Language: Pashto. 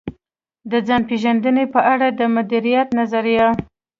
د ځان پېژندنې په اړه د مديريت نظريه.